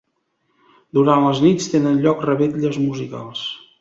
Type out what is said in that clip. Durant les nits tenen lloc revetles musicals.